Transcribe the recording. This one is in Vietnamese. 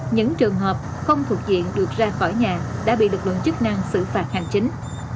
những trường hợp không thuộc diện được ra khỏi nhà đã bị lực lượng chức năng xử phạt hành chính